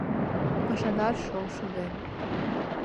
Пашадар шолшо ден